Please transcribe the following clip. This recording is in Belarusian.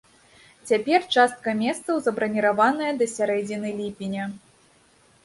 Цяпер частка месцаў забраніраваная да сярэдзіны ліпеня.